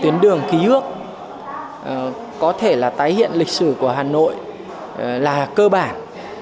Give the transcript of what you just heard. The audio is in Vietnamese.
tuyến đường ký ức có thể là tái hiện lịch sử của hà nội là cơ bản